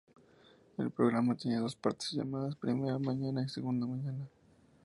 El programa tiene dos partes, llamadas ""Primera mañana"" y ""Segunda mañana"".